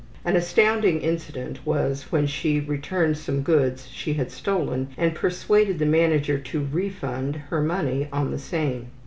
An astounding incident was when she returned some goods she had stolen and persuaded the manager to ``refund'' her the money on the same.